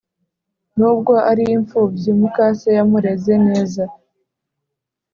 nubwo ari imfubyi, mukase yamureze neza